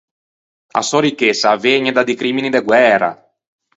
A sò ricchessa a vëgne da di crimini de guæra.